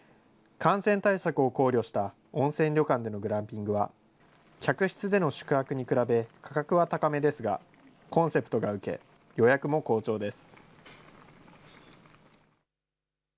感染対策を考慮した温泉旅館でのグランピングは、客室での宿泊に比べ、価格は高めですが、コンセプトが受け、予約も好調です。